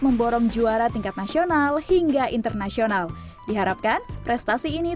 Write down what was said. memborong juara tingkat nasional hingga internasional diharapkan prestasi ini